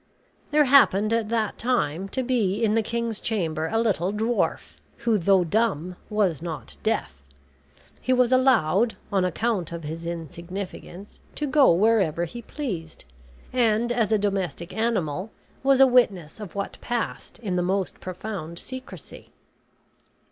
There happened at that time to be in the king's chamber a little dwarf, who, though dumb, was not deaf. He was allowed, on account of his insignificance, to go wherever he pleased, and as a domestic animal, was a witness of what passed in the most profound secrecy.